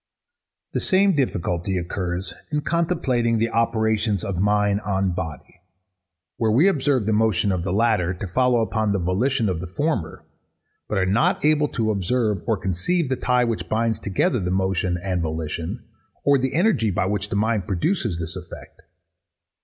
The same difficulty occurs in contemplating the operations of mind on body where we observe the motion of the latter to follow upon the volition of the former, but are not able to observe or conceive the tie which binds together the motion and volition, or the energy by which the mind produces this effect.